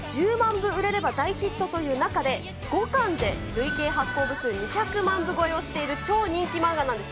部売れれば大ヒットという中で、５巻で累計発行部数２００万部超えをしている超人気漫画なんです。